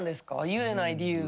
言えない理由。